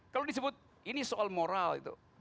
kalau disebut ini soal moral itu